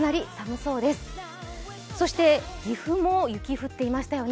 そして岐阜も雪、降ってましたよね